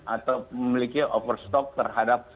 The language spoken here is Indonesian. atau memiliki overstock terhadap